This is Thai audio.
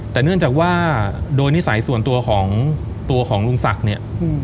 แต่เนื่องจากว่าโดยนิสัยส่วนตัวของตัวของลุงศักดิ์เนี่ย